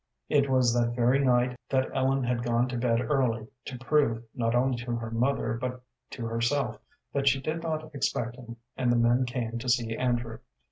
It was that very night that Ellen had gone to bed early, to prove not only to her mother but to herself that she did not expect him, and the men came to see Andrew.